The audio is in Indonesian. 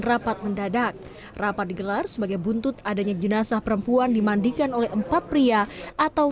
rapat mendadak rapat digelar sebagai buntut adanya jenazah perempuan dimandikan oleh empat pria atau